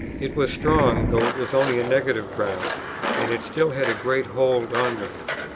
It was a strong, though it was only a negative ground, and it still had great hold on me.